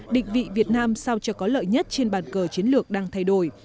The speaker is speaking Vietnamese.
định vị việt nam sao cho có lợi nhất trên bàn cờ chiến lược đang thay đổi